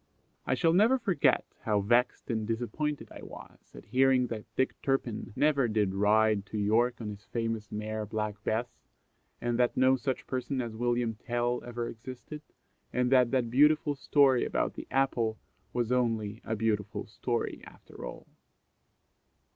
I shall never forget how vexed and disappointed I was at hearing that Dick Turpin never did ride to York on his famous mare Black Bess, and that no such person as William Tell ever existed, and that that beautiful story about the apple was only a beautiful story after all.